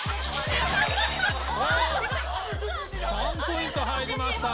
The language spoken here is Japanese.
３ポイント入りました。